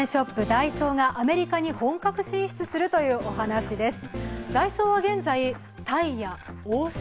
ダイソーがアメリカに本格進出するという話です。